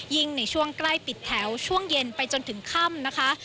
ในช่วงใกล้ปิดแถวช่วงเย็นไปจนถึงค่ำนะคะ